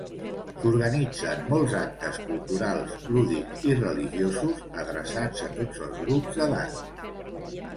S’organitzen molts actes culturals, lúdics i religiosos adreçats a tots els grups d’edat.